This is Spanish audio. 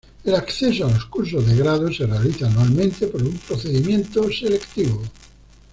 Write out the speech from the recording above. El acceso a los cursos de grado se realiza anualmente por un procedimiento selectivo.